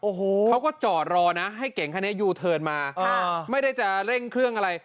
โอ้โหเขาก็จอดรอนะให้เก่งคันนี้ยูเทิร์นมาไม่ได้จะเร่งเครื่องอะไร